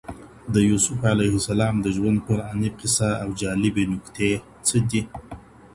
د يوسف عليه السلام د ژوند قرآني قصه او جالبي نکتې څه دي؟